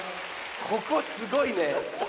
ここすごいね。